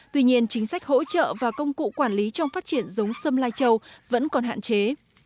tuy nhiên chính sách hỗ trợ và công cụ quản lý trong phát triển giống sâm lai châu vẫn còn hạn chế